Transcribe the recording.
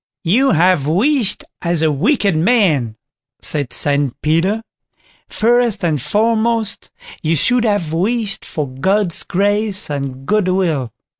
"You have wished as a wicked man", said St Peter; "first and foremost, you should have wished for God's grace and goodwill."